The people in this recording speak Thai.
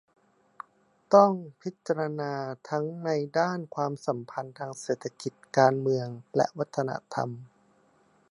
ต้องพิจารณาทั้งในด้านความสัมพันธ์ทางเศรษฐกิจ การเมืองและวัฒนธรรม